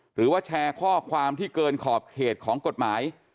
หรือว่าแชร์ข้อความที่เกินขอบเขตของกฎหมาย